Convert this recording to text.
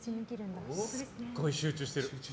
すごい集中してる。